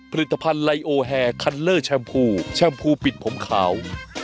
ผลิตภัณฑ์ไลโอแฮคันเลอร์แชมพูแชมพูปิดผมขาว